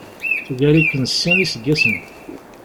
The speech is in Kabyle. Tugar-iken s sin iseggasen.